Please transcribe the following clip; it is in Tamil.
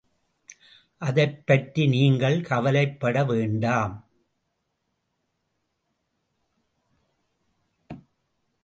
அதைப்பற்றி நீங்கள் கவலைப்படவேண்டாம்.